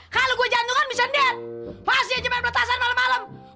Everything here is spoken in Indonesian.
kalau gue jantungan bisa neet pasti aja melek peretasan malem malem